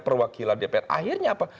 perwakilan dpr akhirnya apa